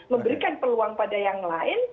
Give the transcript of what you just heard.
memberikan peluang pada yang lain